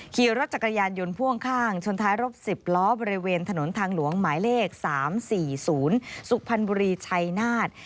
ขี่รถจักรยานยนต์พ่วงข้างชนท้ายรถ๑๐ล้อบริเวณถนนทางหลวงหมายเลข๓๔๐สุพรรณบุรีชัยนาธ